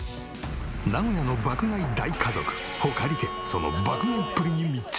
名古屋の爆買い大家族穂苅家その爆買いっぷりに密着！